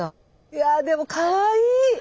いやぁでもかわいい！